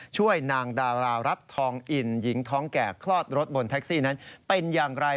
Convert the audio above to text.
ช่วยนางดารารัฐทองอินหญิงท้องแก่คลอดรถบนแท็กซี่นั้นเป็นอย่างไร